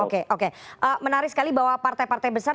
oke oke menarik sekali bahwa partai partai besar